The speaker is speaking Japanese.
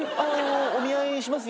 お見合いします